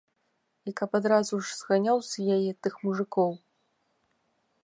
І каб адразу ж зганяў з яе тых мужыкоў.